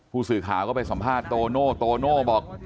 ผู้สื่อข่าวก็ไปสัมภาษณ์โตโน่โตโน่บอก